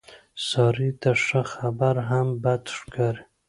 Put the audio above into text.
سارې ته ښه خبره هم بده ښکاري.